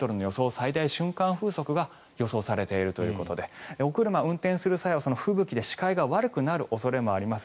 最大瞬間風速が予想されているということでお車を運転する際は吹雪で視界が悪くなる恐れもあります。